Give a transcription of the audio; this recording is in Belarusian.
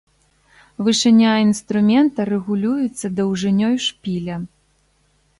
Вышыня інструмента рэгулюецца даўжынёй шпіля.